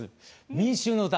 「民衆の歌」。